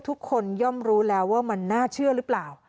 ย่อมรู้แล้วว่ามันน่าเชื่อหรือเปล่า